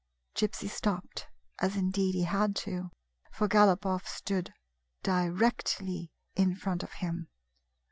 " Gypsy stopped, as indeed he had to, for Galopoff stood directly in front of him.